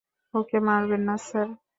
ওকে মারবেন না, স্যার।